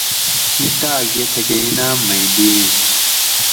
اِیں ٹاۤک یہ تھکہ انعام مئی دئینت